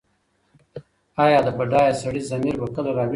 ایا د بډایه سړي ضمیر به کله راویښ شي؟